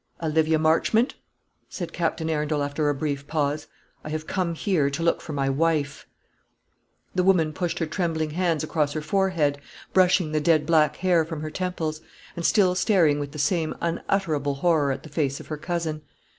"Olivia Marchmont," said Captain Arundel, after a brief pause, "I have come here to look for my wife." The woman pushed her trembling hands across her forehead, brushing the dead black hair from her temples, and still staring with the same unutterable horror at the face of her cousin.